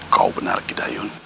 kau benar gidayun